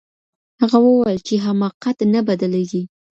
هغه وویل چي حماقت نه بدلیږي.